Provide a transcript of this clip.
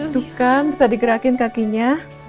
tuh kan bisa digerakin kakinya